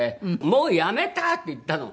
「もうやめた！」って言ったの。